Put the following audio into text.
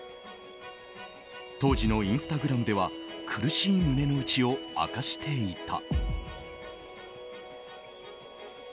当時のインスタグラムでは苦しい胸の内を明かしていた。